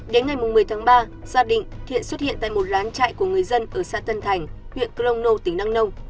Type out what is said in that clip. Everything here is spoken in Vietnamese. đến ngày một mươi tháng ba xác định thiện xuất hiện tại một rán chạy của người dân ở xã tân thành huyện công nô tỉnh năng nông